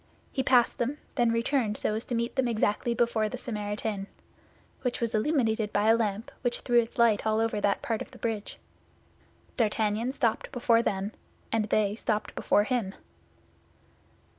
He passed them, then returned so as to meet them exactly before the Samaritaine, which was illuminated by a lamp which threw its light over all that part of the bridge. D'Artagnan stopped before them, and they stopped before him.